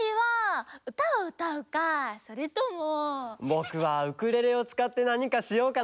ぼくはウクレレをつかってなにかしようかな。